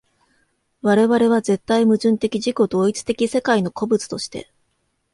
我々は絶対矛盾的自己同一的世界の個物として、